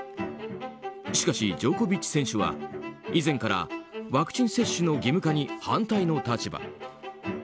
しかし、ジョコビッチ選手は以前からワクチン接種の義務化に反対の立場。